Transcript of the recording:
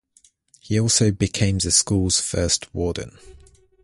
He also became the school's first Warden.